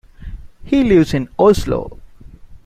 He lives in Oslo.